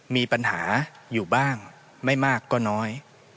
มีปัญหาอยู่บ้างไม่มากก็น้อย